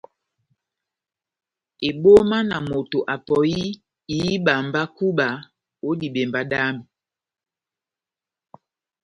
Ebóma na moto apɔhi ihíba mba kúba ó dibembá dami !